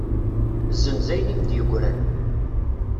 Zzenz ayen i m-d-yegran.